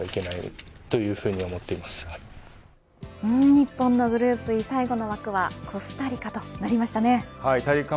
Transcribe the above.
日本のグループＥ、最後の枠はコスタリカとなりましたね。